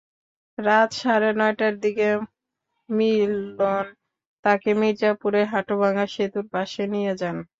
রাত সাড়ে নয়টার দিকে মিলন তাকে মির্জাপুরের হাটুভাঙ্গা সেতুর পাশে নিয়ে যান।